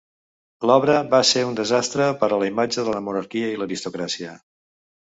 L'obra va ser un desastre per a la imatge de la monarquia i l'aristocràcia.